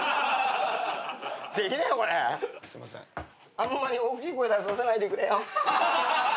あんまり大きい声出させないでくれよ。